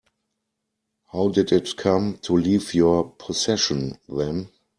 How did it come to leave your possession then?